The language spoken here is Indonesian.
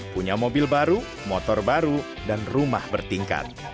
punya mobil baru motor baru dan rumah bertingkat